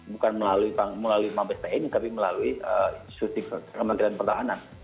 bukan melalui mabes tni tapi melalui institusi kementerian pertahanan